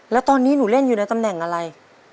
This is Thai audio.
แล้วตอนนี้หนูเล่นอยู่ในตำแหน่งอะไร